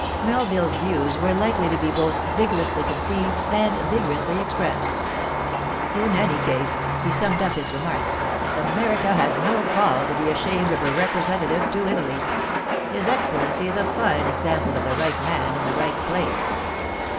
Melville's views were likely to be both vigorously conceived and vigorously expressed. 'In any case,' he summed up his remarks, 'America has no call to be ashamed of her representative to Italy. His Excellency is a fine example of the right man in the right place.